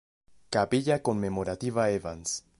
Capilla Conmemorativa Evans